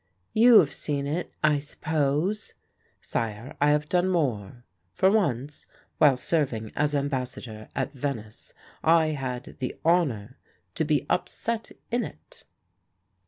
"You have seen it, I suppose?" "Sire, I have done more; for once, while serving as Ambassador at Venice, I had the honour to be upset in it."